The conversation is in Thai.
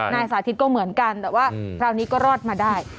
นายสาธิตก็เหมือนกันแต่ว่าคราวนี้ก็รอดมาได้